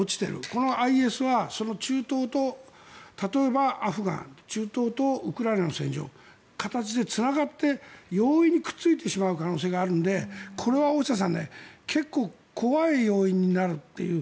このＩＳはその中東と例えば、アフガン中東とウクライナの戦場形でつながって容易にくっついてしまう可能性があるのでこれは大下さん結構怖い要因になるという。